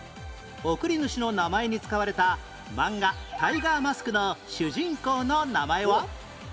贈り主の名前に使われた漫画『タイガーマスク』の主人公の名前は？